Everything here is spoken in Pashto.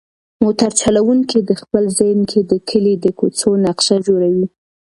موټر چلونکی په خپل ذهن کې د کلي د کوڅو نقشه جوړوي.